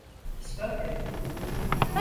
İspat et.